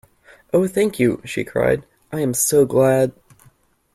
Oh thank you! she cried. I am so glad!